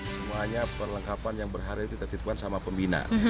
semuanya perlengkapan yang berharga itu tertitukan sama pembina